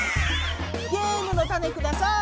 ゲームのタネください。